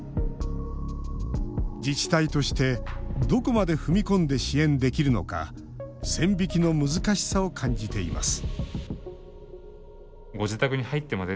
自治体としてどこまで踏み込んで支援できるのか線引きの難しさを感じています